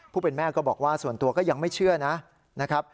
เป็นแม่ก็บอกว่าส่วนตัวก็ยังไม่เชื่อนะครับ